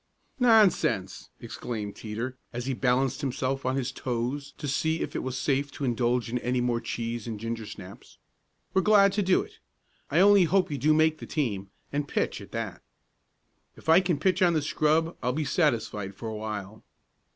"Nonsense!" exclaimed Teeter, as he balanced himself on his toes to see if it was safe to indulge in any more cheese and ginger snaps. "We're glad to do it. I only hope you do make the team, and pitch, at that." "If I can pitch on the scrub, I'll be satisfied for a while."